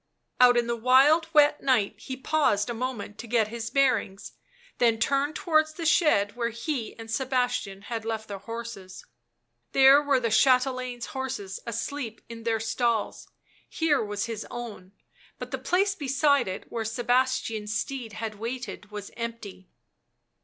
Out in the wild, wet night he paused a moment to get his bearings ; then turned towards the shed where he and Sebastian had left their horses. There were the chatelaine's horses asleep in their stalls, here was his own ; but the place beside it where Sebastian's steed had waited was empty.